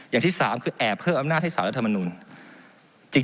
อย่างที่๓คือแอบเพิ่มอำนาจให้สารรัฐมนุน